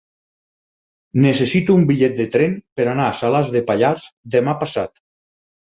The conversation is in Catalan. Necessito un bitllet de tren per anar a Salàs de Pallars demà passat.